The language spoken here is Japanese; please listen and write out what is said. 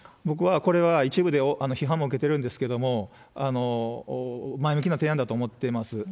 僕は、これは一部で批判も受けてるんですけども、前向きな提案だと思ってます。